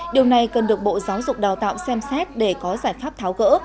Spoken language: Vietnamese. điều này cần được bộ giáo dục đào tạo xem xét để có giải pháp tháo gỡ